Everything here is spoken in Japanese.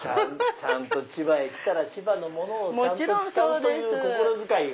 千葉へ来たら千葉のものをちゃんと使うという心遣いが。